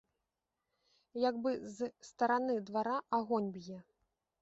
Як бы з стараны двара агонь б'е!